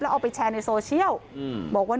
แล้วเอาไปแชร์ในโซเชียล